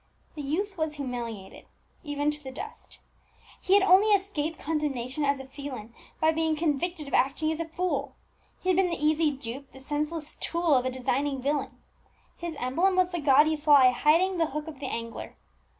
The youth was humiliated even to the dust. He had only escaped condemnation as a felon, by being convicted of acting as a fool. He had been the easy dupe, the senseless tool of a designing villain. His emblem was the gaudy fly hiding the hook of the angler!